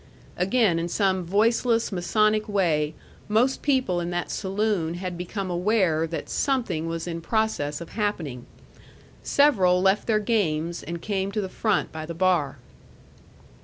Again, in some voiceless, masonic way, most people in that saloon had become aware that something was in process of happening. Several left their games and came to the front by the bar.